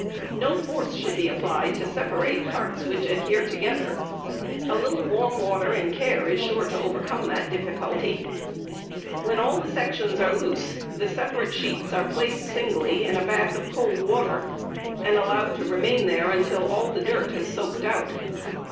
No force should be applied to separate parts which adhere together; a little warm water and care is sure to overcome that difficulty. When all the sections are loose, the separate sheets are placed singly in a bath of cold water, and allowed to remain there until all the dirt has soaked out.